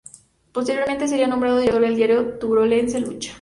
Posteriormente sería nombrado director del diario turolense "Lucha".